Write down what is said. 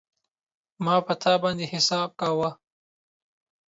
ما په تا باندی حساب کاوه